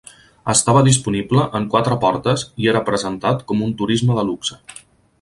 Estava disponible en quatre portes i era presentat com un turisme de luxe.